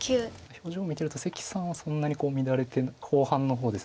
表情見てると関さんはそんなに後半の方です。